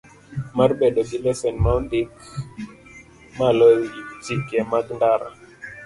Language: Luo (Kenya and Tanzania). Mar bedo gi lesen ma ondik malo e wi chike mag ndara.